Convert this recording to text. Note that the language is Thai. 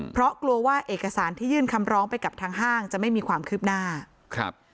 เพราะกลัวว่าเอกสารที่ยื่นคำร้องไปกับทางห้างจะไม่มีความคืบหน้าครับ